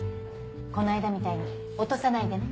この間みたいに落とさないでね。